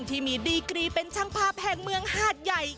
ที่มีดีกรีเป็นชังภาพแพงเมืองฮาตน์ใหญ่